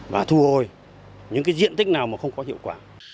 và thu hồi những cái diện tích nào mà không có hiệu quả